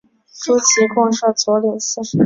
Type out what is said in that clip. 诸旗共设佐领四十人。